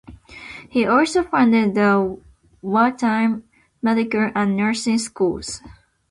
He also founded the wartime medical and nursing schools.